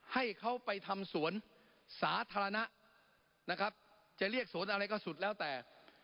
ให้เขาไปทำสวนสาธารณะนะครับจะเรียกสวนอะไรก็สุดแล้วแต่